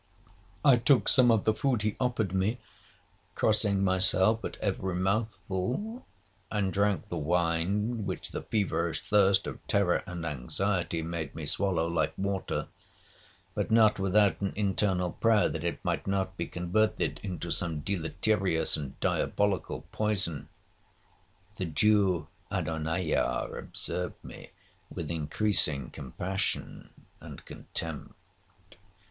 'I took some of the food he offered me, crossing myself at every mouthful, and drank the wine, which the feverish thirst of terror and anxiety made me swallow like water, but not without an internal prayer that it might not be converted into some deleterious and diabolical poison. The Jew Adonijah observed me with increasing compassion and contempt.